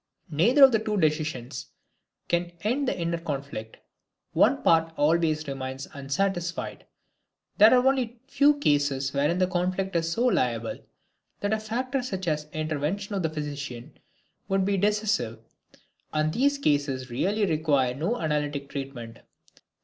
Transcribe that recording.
Neither of the two decisions can end the inner conflict, one part always remains unsatisfied. There are only a few cases wherein the conflict is so labile, that a factor such as the intervention of the physician could be decisive, and these cases really require no analytic treatment.